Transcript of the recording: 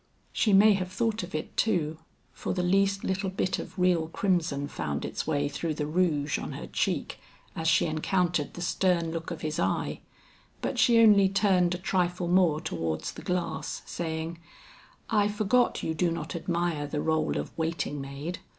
She may have thought of it too, for the least little bit of real crimson found its way through the rouge on her cheek as she encountered the stern look of his eye, but she only turned a trifle more towards the glass, saying, "I forgot you do not admire the rôle of waiting maid.